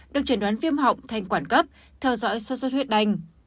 được trần đoán phim họng thanh quản cấp theo dõi sốt sốt huyết đành